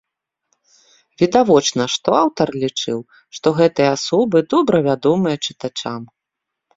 Відавочна, што аўтар лічыў, што гэтыя асобы добра вядомыя чытачам.